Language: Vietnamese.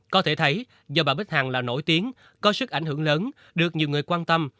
có thể thấy do bà bích hằng là nổi tiếng có sức ảnh hưởng lớn được nhiều người quan tâm